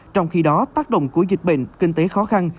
trong khi đó tác động của dịch bệnh kinh tế khó khăn